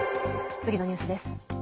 次のニュースです。